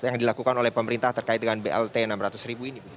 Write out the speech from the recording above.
yang dilakukan oleh pemerintah terkait dengan blt enam ratus ribu ini